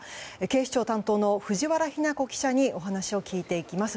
警視庁担当の藤原妃奈子記者にお話を聞いていきます。